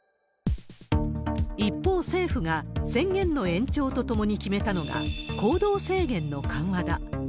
一方、政府が宣言の延長とともに決めたのが、行動制限の緩和だ。